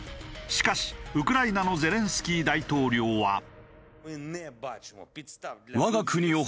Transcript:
しかしウクライナのゼレンスキー大統領は。